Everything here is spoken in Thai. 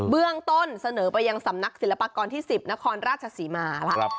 เรื่องต้นเสนอไปยังสำนักศิลปากรที่๑๐นครราชศรีมาแล้ว